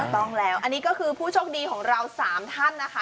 ต้องแล้วอันนี้ก็คือผู้โชคดีของเรา๓ท่านนะคะ